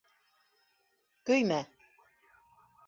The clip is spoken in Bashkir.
Көймә!